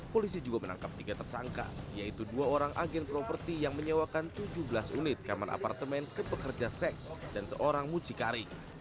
polisi juga menangkap tiga tersangka yaitu dua orang agen properti yang menyewakan tujuh belas unit kamar apartemen ke pekerja seks dan seorang mucikari